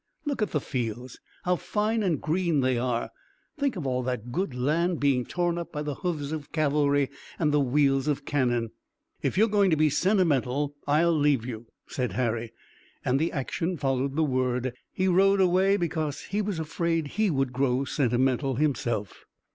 Look at the fields! How fine and green they are! Think of all that good land being torn up by the hoofs of cavalry and the wheels of cannon!" "If you are going to be sentimental I'll leave you," said Harry, and the action followed the word. He rode away, because he was afraid he would grow sentimental himself.